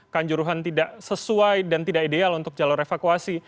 kanjuruhan tidak sesuai dan tidak ideal untuk jalur evakuasi